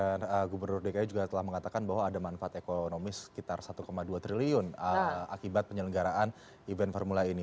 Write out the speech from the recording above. gubernur dki juga telah mengatakan bahwa ada manfaat ekonomis sekitar satu dua triliun akibat penyelenggaraan event formula e ini